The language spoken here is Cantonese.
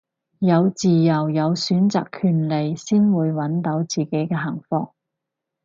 有自由有選擇權利先會搵到自己嘅幸福